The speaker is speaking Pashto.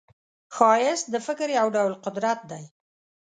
ښایست د فکر یو ډول قدرت دی